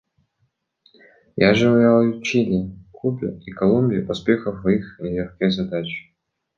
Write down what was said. Я желаю Чили, Кубе и Колумбии успехов в их нелегкой задаче.